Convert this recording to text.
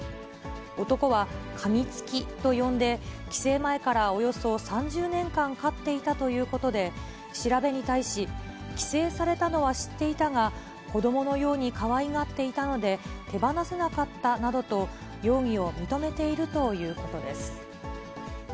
男はカミツキと呼んで、規制前からおよそ３０年間飼っていたということで、調べに対し、規制されたのは知っていたが、子どものようにかわいがっていたので、手放せなかったなどと、容疑を認めているということです。